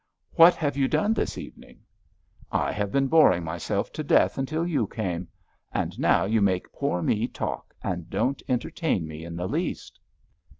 "What have you done this evening?" "I have been boring myself to death until you came. And now you make poor me talk and don't entertain me in the least!"